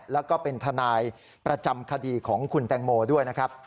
แล้วก็เป็นทนายประจำคดีของคุณแตงโมด้วยนะครับ